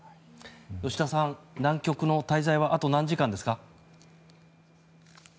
吉田さん、南極の滞在はあと何時間ですか？